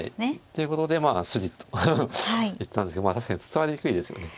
ということでまあ筋と言ったんですけども確かに伝わりにくいですよね。